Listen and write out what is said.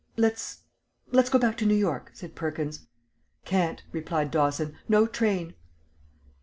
"Let's let's go back to New York," said Perkins. "Can't," replied Dawson. "No train."